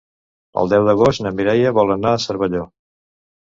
El deu d'agost na Mireia vol anar a Cervelló.